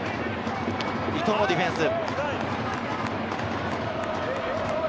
伊藤のディフェンス。